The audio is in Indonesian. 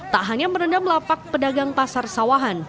tak hanya merendam lapak pedagang pasar sawahan